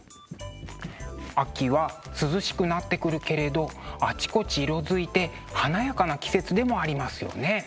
秋は涼しくなってくるけれどあちこち色づいて華やかな季節でもありますよね。